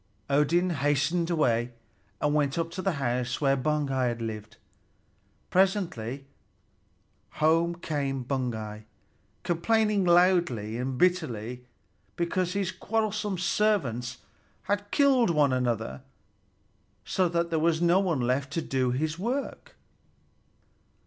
Odin hastened away, and went up to the house where Baugi lived. Presently home came Baugi, complaining loudly and bitterly because his quarrelsome servants had killed one another, so that there was not one left to do his work.